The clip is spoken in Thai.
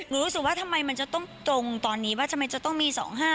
รู้สึกว่าทำไมมันจะต้องตรงตอนนี้ว่าทำไมจะต้องมี๒๕